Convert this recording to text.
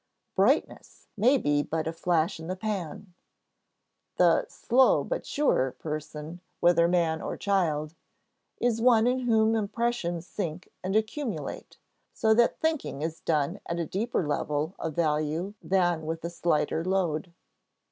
"Brightness" may be but a flash in the pan. The "slow but sure" person, whether man or child, is one in whom impressions sink and accumulate, so that thinking is done at a deeper level of value than with a slighter load.